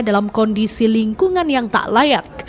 dalam kondisi lingkungan yang tak layak